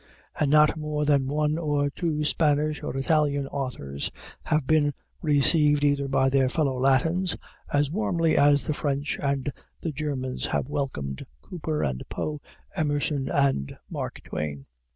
And not more than one or two Spanish or Italian authors have been received even by their fellow Latins, as warmly as the French and the Germans have welcomed Cooper and Poe, Emerson and Mark Twain.